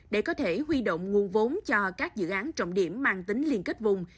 để có thể huy động nguồn vốn cho các dự án trọng điểm mang tính liên kết vùng